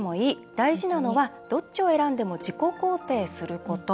大事なのはどっちを選んでも自己肯定すること。